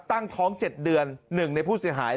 ตั้งท้อง๗เดือน๑ในผู้เสียหาย